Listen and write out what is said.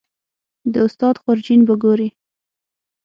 د استاد خورجین به ګورې